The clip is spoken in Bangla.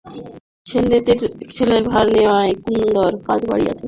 সেনদিদির ছেলের ভার লওয়ায় কুন্দর কাজ বাড়িয়াছে, তবু সে শশীর সেবা বাড়াইয়া দেয়।